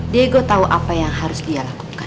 diego tahu apa yang harus dia lakukan